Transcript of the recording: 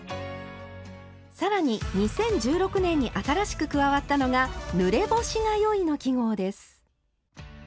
更に２０１６年に新しく加わったのが「ぬれ干しがよい」の記号です。